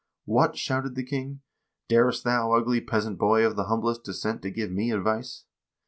"What!" shouted the king, "darest thou ugly peasant boy of the humblest descent to give me advice?"